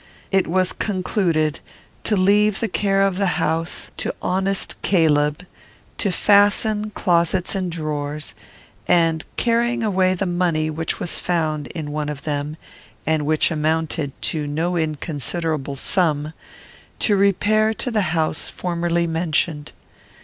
It was concluded to leave the care of the house to honest Caleb; to fasten closets and drawers, and, carrying away the money which was found in one of them, and which amounted to no inconsiderable sum, to repair to the house formerly mentioned.